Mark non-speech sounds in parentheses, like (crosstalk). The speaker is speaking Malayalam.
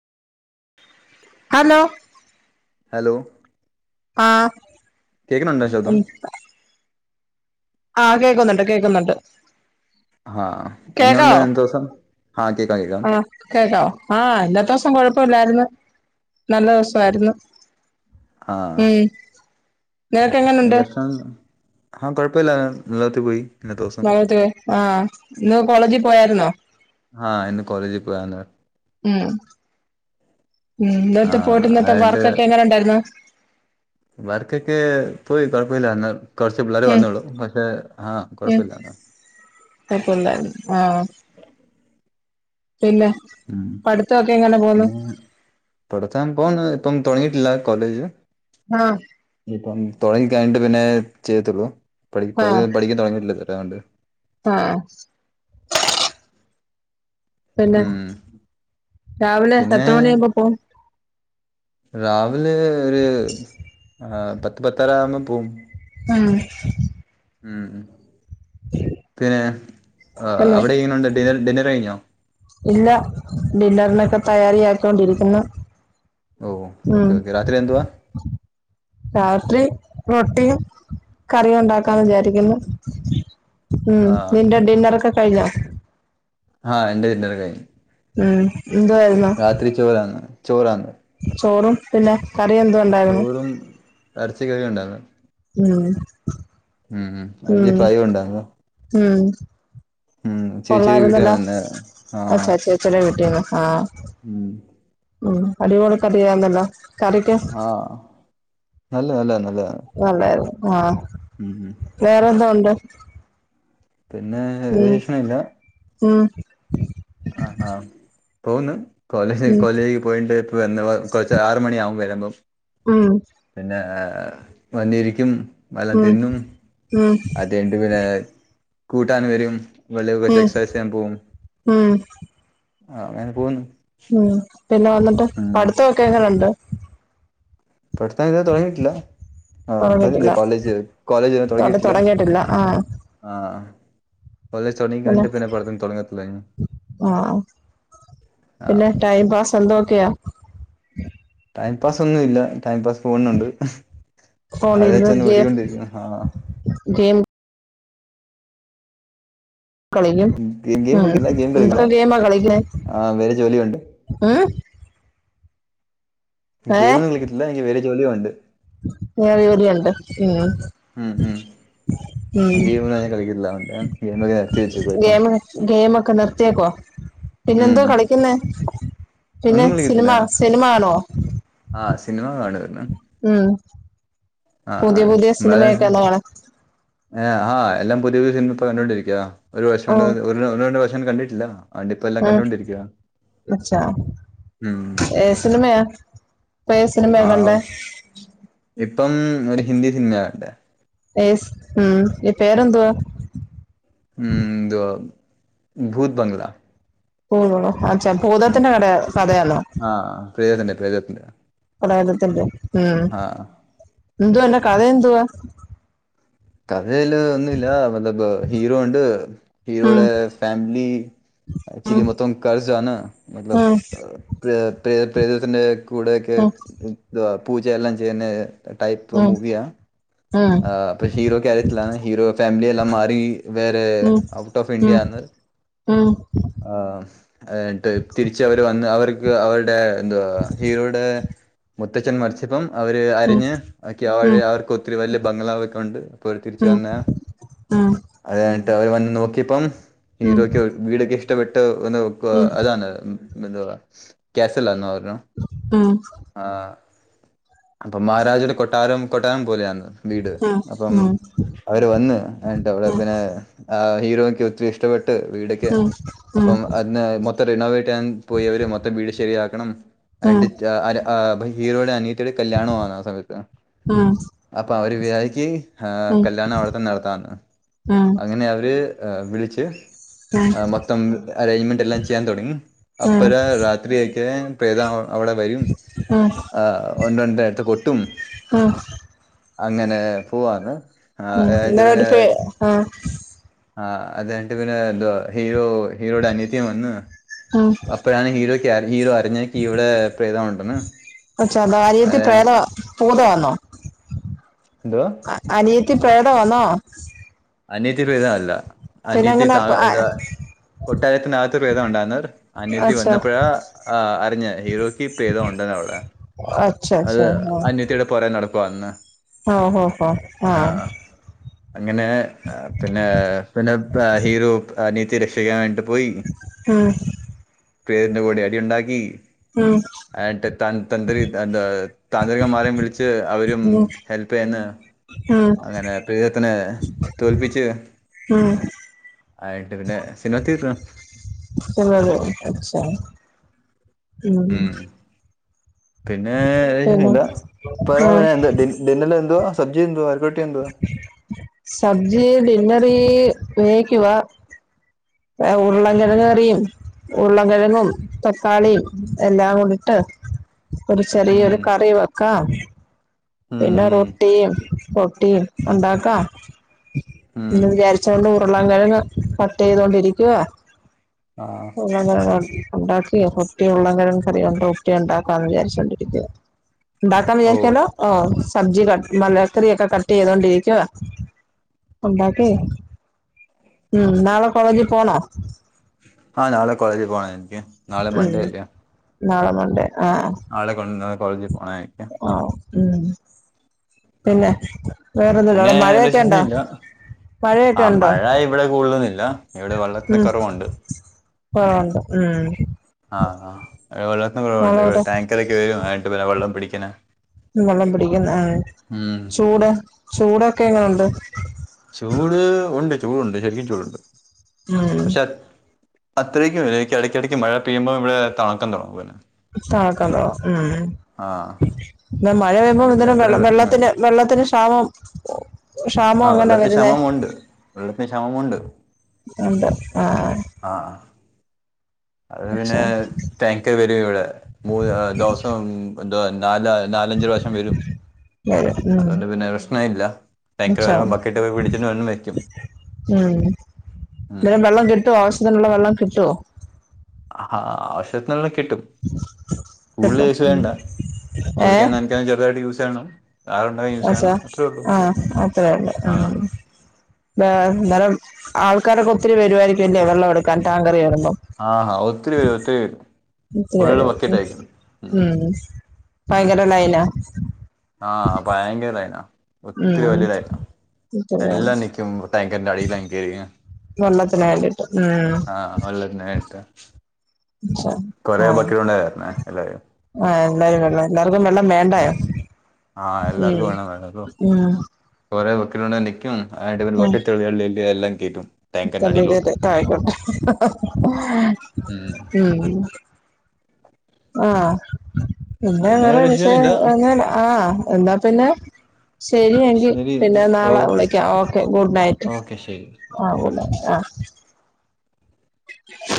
ഹലോ. ഹലോ. ആഹ് കേക്ക്ണ്ണ്ണ്ടൊ ശബ്ദം? ആ കേക്കുന്ന്ണ്ട് കേക്കുന്ന്ണ്ട്. ഹാ എങ്ങനുണ്ട് ന്നത്തെ ദിവസം? ആഹ് കേക്കാം കേക്കാം ആ കേട്ടോ? ആ ന്നത്തെവസം കൊഴപ്പല്ലാര്ന്ന്. നല്ല ദിവസായിര്ന്ന്. ആഹ് നിങ്ങക്കെങ്ങനുണ്ട്? ആ കൊഴപ്പല്ലാതെ (unintelligible) പോയി ഇന്നത്തെ ദിവസം (unintelligible) ആ ഇന്ന് കോളേജി പോയാര്ന്നോ ആ ഇന്ന് കോളേജി പോയാര്ന്ന്. ഉം ഉം ന്നട്ട് പോയിട്ട് ഇന്നത്തെ വർക്കൊക്കെ എങ്ങനെണ്ടായിര്ന്ന്? വർകൊക്കെ പോയി കൊഴപ്പല്ല ഇന്ന് കൊറച്ച് പിള്ളേരെ ഉം വന്നൊള്ളൂ പക്ഷേ ആ കൊഴപ്പല്ല കൊഴപ്പല്ലാര്ന്ന് ആഹ് പിന്നെ ഉം പഠിത്തൊക്കെ എങ്ങനെ പോന്നു പിന്നെ തൊടച്ചാൻ പോവുന്നത് ഇപ്പം തൊടങ്ങീട്ടില്ല കോളേജ് ആ ഇപ്പം തുടങ്ങിക്കഴിഞ്ഞട്ട് പിന്നെ ചെയ്യത്തുള്ളൂ പഠി (unintelligible) പഠിക്കാൻ തുടങ്ങിയിട്ടില്ലെ ഇത് വരെ അതോണ്ട്? ആ പിന്നെ ഉം രാവിലെ എത്ര മണിയാവുമ്പോ പോവും? രാവില ഒര് ആ പത്ത് പത്തരാവ്മ്പൊ പോവും. ആ ഉം പിന്നെ പിന്നെ അവിടെ എങ്ങനുണ്ട് ഡിനർ ഡിന്നർ കഴിഞ്ഞോ? ഇല്ല ഡിന്നറിനൊക്കെ തയ്യാരിയാക്കിക്കൊണ്ടിരിക്കുന്നു ഓ ഉം ഓക്കെ ഓക്കെ രാത്രി എന്തുവാ രാത്രി റൊട്ടിയും കറിയുണ്ടാക്കാന്ന് വിചാരിക്കുന്നു ഉം ആഹ് നിന്റെ ഡിന്നറൊക്കെ കഴിഞ്ഞോ? (unintelligible) ആഹ എൻ്റെ കല്യാണം കഴിഞ്ഞു ഉം എന്തുവായിരുന്നു രാത്രി ചോറാണ്, ചോറാണ്. ചോറും, പിന്നെ കറി എന്തോ ഉണ്ടായിരുന്. ചോറും എറച്ചി കറി ഉണ്ടായിരുന്നു ഉം ഉം എറച്ചി ഉം ഫ്രൈ ഉണ്ടായിരുന്നു ഉം. ഉം ചേച്ചിയുടെ വീട്ടിൽ കൊള്ളായിരുന്നല്ലോ, വന്ന് അത് ചച്ചേ ച്ചീടെ വീട്ടിന്ന. ഉ്മ അടിപൊളി കറിയാണല്ലോ കറിക്ക് അല്ല അല്ലഅല്ല. നല്ലായിരുന്നു. ആഹ് ഉം വേറെന്തോ ഉണ്ട്. പിന്നെ (unintelligible) ആ ആ ആ തോന്ന്. ഉം കോളേജ്കോളേജിലേക്ക് പോയിട്ട് പിന്നെ വന്നത് കൊച്ച് ആറു മണിയാകും വരുമ്പം ഉം പിന്നേ വന്നിരിക്കും. വല്ലം തിന്നും, ഉം ഉം അതയ്നിട്ട് പിന്നെ കൂട്ടാന് വരും. വെളി കൊച്ച ഉം എക്സൈസ് ചെയ്യാൻ പോവും. ഉം അ ആൻ പോവുന്നു. ഉം പിന്നെ വന്നിട്ട് പഠിത്തമൊക്കെ എങ്ങനെുണ്ട് പഠിത്തമൊക്കെ തുടങ്ങിയിട്ടില്ല ആ തുടങ്ങിയിട്ടില്ല പറഞ്ഞില്ലേ കോളേജ് കോളേജ് തൊട തുടങ്ങിയിട്ടില്ല ആ ആഹ്. പിന്നെ ആ (unintelligible) ആ പിന്നെ, ടൈം പാസ് എന്തോക്കെയാ. ടൈംപാസ് ഒന്നു ഇല്ല. ടൈം പാസ് പോകുന്നുണ്ട്. അത് ഫോണിലിരുന്ന് വെച്ച് ഗെയിം ഓടിക്കൊണ്ടിരിക്കുന്നു, ആഹ. ഗെയിം കളിക്കും ഗെയിം ഗെയിം ഉ കളിക്കില്ല ഗെയിം കളിക്കില്ല എന്തൊക്കെ ഗെയിം കളിക്കുന്നു ആ വേറെ ജോലിയുണ്ട് മ് ഗെയിമൊന്നും കളിക്കത്തില്ല, എങ്കി വേരെ ജോലിയൊണ്ട്. വേറെ ജോലിയുണ്ട് പിന്നെ ഉം ഉം (unintelligible) ഒക്കെ നിർത്തിയേക്കോ പിന്നെ എന്തോ ഉം കളിക്കുന്നേ പിന്നെ ഒന്നും സിനിമ കളിക്കത്തില്ല സിനിമ ആണോ ആ സിനിമ കാണുര്ന്ന്. ഉം പുതിയ പുതിയ സിനിമയൊക്കെന്ന്കാണ് ആഹ് ആഹ എല്ലാം പുതിയ സിനിമ ഇപ്പൊ കണ്ടൊണ്ടിരിക്കുക ഒരു വർഷം കൊ രണ്ടു വർഷം കണ്ടിട്ടില്ല അതുകൊണ്ട് ഇപ്പ എല്ലാം അ കണ്ടോണ്ടിരിക്കുക മച്ചാ, ഉം ഏത് സിനിമയാ.? യത് ആ സിനിമയാണോ കണ്ടത് ഇപ്പം ഒരു ഹിന്ദി സിനിമയാ കണ്ടേ. എസ് മ് പേരെന്തുവാ. ഉം എന്തുവാ. ഭൂദ് ബങ്കലാ. ഉവ്വോ അച്ച ഭൂതത്തിന്റെ കട കഥയാ ന്നൊ. പ്രേതത്തിന്റെ പ്രേതത്തിന്റെ. പ്രേതത്തിന്റെ ഉം എന്തുവാ, അന്റെ കഥ എന്തുവാ. കഥയില്, ഒന്നുഇല്ല. (unintelligible) ഹീറോ ഉണ്ട്, ഉം ഹീറോയുടെ ഫാമ് ലി. ഉം ചിരി മൊത്തം കരചാന. ഉം (unintelligible) പ്രേതത്തിന്റെ കൂടെയൊക്കെ ഉം ത് പൂജയെല്ലാം ചെയ്യുന്നെ. ടൈപ്പ് ഉം മൂവിയാണ് ആ അപ്പ ഹീറോ കാര്യത്തിലാണ്. ഹീറോ ഫാമിലിെല്ലാം മാറി വേറെ ഉം ഔട്ട് ഓഫ് ഉം ഇന്ത്യ ആന്ന്. ഉം ആ എഡ്ഡ് തിരിച്ച് അവര് വന്ന് (unintelligible) ക്ക് അവരുടെ എന്തോ ഇവിടെ മുത്തച്ഛൻ മരിച്ചപ്പം അവര് ഉം അരിഞ്ഞ് ആക്കി ഉം (unintelligible) ബംഗ്ലാവ് ഒക്കെ ഉണ്ട് അപ്പൊ ഓര് ഉം ഉം ഉം ഉം തിരിച്ചു ഉം വന്ന അ കഴിഞ്ഞിട്ട് അവർ വന്ന് നോക്കിയപ്പം ഹീറോയ്ക്ക് വീടൊക്കെ ഇഷ്ടപ്പെട്ട് ഒന്ന്ഒക്കു ഉം ഉം ഉം ഉം ഉം ഉം ഉം അതാണ് എന്തോ കാസൽ ലാനു ഉം (unintelligible) ആ അപ്പൊ മഹാരാജയുടെ കൊട്ടാരം കൊട്ടാരം പോലെയാന്ന് വീട് അപ്പം അവര് വന്ന് എന്നിട്ട് അവിടെ പിന്നെ (unintelligible) ക്കെ ഒത്തിരി ഇഷ്ടപ്പെട്ട് ട്ട് വീടക്കെ അപ്പം അതിന് മൊത്തം റിനോവേറ്റ് ചെയ്യാൻ പോയവര് മൊത്തം വീട് ശരിയാക്കണം (unintelligible) ഹീറോയുടെ അനിയത്തീടെ കല്യാണ ആന്ന് ആ സമയത്ത് ഉം ഉം (unintelligible) അവര് (unintelligible) ഉം കല്യാണം അവിടെത്തന്നെ നടത്താന്ന് ഉം ഉം അങ്ങനെ അവര് ഹ വിളിച്ച് (inaudible) മൊത്തം അറേഞ്ച്മെന്റ് എല്ലാം ചെയ്യാൻ തുടങ്ങി അപ്പര രാത്രിയൊക്കെ പ്രേത അവിടെ (inaudible) (unintelligible) അങ്ങനെ പോവാന്ന് ആ ഇന്നലെ ഒരു പേ (unintelligible) ആഹ് ആഹ് അതെ ന്നിട്ട് പിന്നെ തോ ഹീറോ ഹീറോയുടെ അനത്തി വന്ന് ഉം അപ്പൊ ഞൻ ഹീറോയ്ക്ക് ഹീറോ അറിഞ്ഞനിക്ക് ഇവിടെ പ്രേതമുണ്ടന്ന് (unintelligible) എന്തോ അനിയത്തി പ്രേതവാന്നോ? അനീത്തി പ്രേതഅല്ല (unintelligible) അനിയത്തി അങ്ങനെ അച്ഛാ കൊട്ടാരത്തിനകത്ത് പ്രേതം (unintelligible) അനിയത്തി വന്നപ്പഴാ അറിഞ്ഞത് ഹീറോയ്ക്ക് പ്രേതമുണ്ട (unintelligible) അച്ഛാ അത് അച്ഛാ അന്യത്തിടെ പുറേ നടക്കുവാന്ന് ആ (unintelligible) അങ്ങനെ പിന്നെ പിന്നെ ഹീറോ അനീത്തി രക്ഷിക്കാൻ വേണ്ടിട്ട് ആ പേരിന്റെ കൂടെ അടി ഉണ്ടാക്കി (unintelligible) (unintelligible) താന്ത്രികന്മാരെയും വിളിച്ച് അവരും ഉം ഹെൽപ്പ് ചെയ്യുന്ന ഉം അങ്ങനെ പ്രീതത്തിനെലെ തോൽപിച്ച് ആയിട്ട് പിന്നെ സിനിമ തീർന്ന് ആണോ അച്ചാ ഉം പിന്നെ (unintelligible) പിന്നെ എന്തുവാ ആ (unintelligible) ഡി ഡിന്നർന് എന്തുവാ സദ്യ എന്തുവാര് സദ്യേ ഡിന്നറി വേകിക്കുവാ ഏഹ് ഉരുളൻ കിഴങ്ങ് കറിയും ഉരുളൻകിഴങ്ങും തക്കാളിയും എല്ലാം കൂടെ ഇട്ട് ഒരു ഉം. ചെറിയൊരു കറി വെക്കാം ഉം, പിന്നെ ഉം, റൊട്ടിയും റൊട്ടിയും ഉണ്ടാക്കാം ഉം. എന്ന് വിചാരിച്ചാേണ്ട് ഉര്ളൻ കിഴങ്ങ് ക ട്ടെയ്താേണ്ടിരിയ്ക്കുവാ ആ ഉരുളൻ കൊഴെങ്ങ് ഉണ്ടാക്കി കുട്ടിയ ഉള്ള കിഴങ്ങ് കറിയൂണ്ട് കുട്ടിയ ഉണ്ടാക്കാന്ന് വിചാരിച്ചോണ്ടിരിക്കുന്നത് ണ്ടാക്കാന്ന് ഓ വിജാരിച്ചാലോ സബ്ജി ക് മലക്കറിഒക്കെ കട്ട് ചെയ്തോണ്ടിരിക്കുവാ ഉണ്ടാക്കി ഉം നാളെ കോളേജ് പോണോ ആഹ് നാളെ കോളേജിൽ പോണം എനിക്ക് നാളെ മൺണ്ടേ ഉം അല്ലേ നാളെ മൺഡേ ആളെ കൊണ്ട കോളേജിൽ പോണേ ആഹ് ഉം പിന്നെ ഉം. വേറെന്തുണ്ടവിടെ മഴയൊക്കെണ്ടാ ആഹ് മഴ ഇവിടെ കൂടുതലൊന്നില്ല ഇവിടെ വെള്ളത്തിന് കൊറവുണ്ട് പോണ്ട ഉം ആഹ് ആഹ് വെള്ളത്തിന് കുറവുണ്ട് മോളെവിടെ ടാങ്കർക്കെ വരും ആട്ട് പിന്നെ വെള്ളം പിടിക്കണെ വെള്ളം പിടിക്കുന്ന്നെ ഏ ചൂട് ചൂട് ചൂട് ഉണ്ട് ചൂടുണ്ട് ശരിക്കും ചൂടുണ്ട് ഉം അത്രയ്ക്ക് ഇല്ല ഇടക്കിടയ് ഇടയ്ക്ക് മഴ പെയ്യുമ്പോ ഇവിടെ തണുക്കാൻ തുടങ്ങും പോലെ (unintelligible) ഉം ആ ന്നാ മാ മഴ പെയുമ്പോ അതിന്റെ പിന്നെ അത്തരം വെള്ളത്തിന് വെള്ളത്തിന് ക്ഷാമം ക്ഷാമം ആഹ് അങ്ങനെ വെള്ളത്തിന് വരുന്നേ ക്ഷാമമുണ്ട് വെള്ളത്തിന് ക്ഷാമ മുണ്ട് ഉണ്ട് ആഹ് അത് പിന്നെ ടാൻങ്കു വരും ഇവിടെ മൂന്ന് ദിവസം തേ നല് നാലഞ്ച് പ്രാവശം വരും വരും ഉം അതുകൊണ്ട് പിന്നെ പ്രശ്ന ഇല്ല ഭയങ്കര വരുമ്പോ മനസ്സിലാവും ബക്കിട്ടൊ പിടിച്ചിട്ട് വെക്കും ഉം ഉം. ന്നിട്ട് വെള്ളം കിട്ടുവോ ആവശ്യത്തിനുള്ള വെള്ളം കിട്ടുവോ ആഹ് ആവശ്യത്തിന്ള്ളത് കി കിട്ടും കൂടുതൽ കിട്ടും (unintelligible) ഉം വേണ്ട കുളിക്കാനും നനക്കാനും ചെറുതായിട്ട് യൂസെയ്യണം അഷാ ആഹ് അത്രേയൊള്ള്. ആ ഉം ബേ (unintelligible) ആൾക്കാരൊക്കെ ഒത്തിരി വരുമായിരിക്കു അല്ലേ വെള്ളം എടുക്കാൻ ടാങ്കറി വര് ആഹ് ഹ. ഒത്തിരി പേര് വരും ഒത്തിരി വെരും ഒത്തിരി പേര് വെരും. ഉം ഭയങ്കര ലൈനാ ആ ഭയങ്കര ലൈനാ ഒത്തിരി ഉം വലിയതായിരുന്നു എല്ലാം നിക്കും ടാങ്കറിന്റെ അടിലങ്ങ് കേറിയിങ് വെള്ളത്തിന് വേണ്ടീട്ട് ഉം വെള്ളത്തിന് വേണ്ടിട്ട് ഇൻഷാ കുറെ ആഹ് ബക്കറ്റ് കൊണ്ടാ വരണേ എല്ലാവരും ആഹ് എല്ലാരും വെള്ളം എല്ലാർക്കും വെള്ളം വേണ്ടായോ ആഹ് എല്ലർക്കും ഉം വേണം (unintelligible) (unintelligible) നിക്കും. ആ കഴിഞ്ഞിട്ട് ബക്കറ്റുകളിലെല്ലാം എല്ലാം കേറ്റും തള്ളി കേറ്റ് (unintelligible) ആയിക്കോട്ടെ. ഉം ഉം ആഹ് പിന്നെ വേറെ ഒരു വിഷയവുമില്ല മിഷൻ ആഹ് എന്നാ പിന്നെ ശരി എങ്കി. ശരി പിന്നെ നാളെ ഓക്കെ വിളിക്കാം ഓക്കെ ഗുഡ് നൈറ്റ് ഓക്കെ ശരി ഓക്കെ ആഹ് ഗുഡ് നൈറ്റ് നൈ ആഹ്